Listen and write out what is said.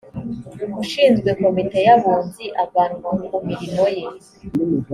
ushinzwe komite y abunzi avanwa ku mirimo ye